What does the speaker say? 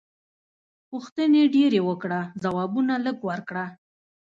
پوښتنې ډېرې وکړه ځوابونه لږ ورکړه.